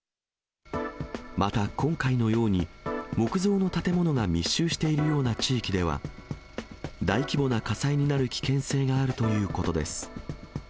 また、今回のように木造の建物が密集しているような地域では、大規模な火災になる危険性があるということです。